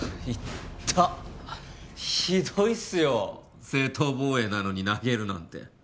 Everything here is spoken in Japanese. ひどいっすよ正当防衛なのに投げるなんて。